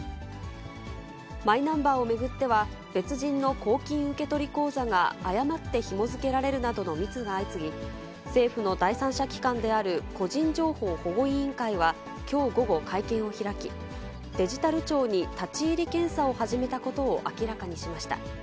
マイナンバーを巡っては、別人の公金受取口座が誤ってひも付けられるなどのミスが相次ぎ、政府の第三者機関である個人情報保護委員会はきょう午後、会見を開き、デジタル庁に立ち入り検査を始めたことを明らかにしました。